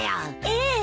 ええ！